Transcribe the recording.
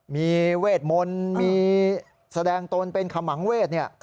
มีเวทมนต์มีแสดงตนเป็นขมังเวศ